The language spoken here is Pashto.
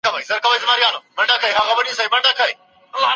هغه وویل چې کار مهم دی.